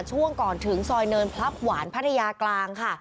ช่วงก่อนถึงซอยเนินพลับหวานพัทยากลางค่ะ